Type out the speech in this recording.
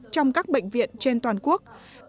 trong các bệnh viện trên toàn quốc